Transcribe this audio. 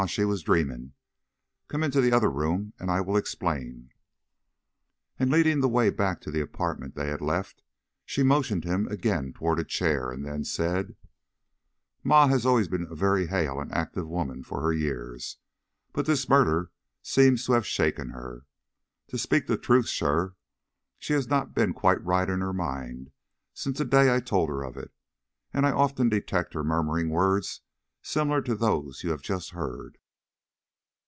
She was dreaming. Come into the other room and I will explain." And leading the way back to the apartment they had left, she motioned him again toward a chair, and then said: "Ma has always been a very hale and active woman for her years; but this murder seems to have shaken her. To speak the truth, sir, she has not been quite right in her mind since the day I told her of it; and I often detect her murmuring words similar to those you have just heard."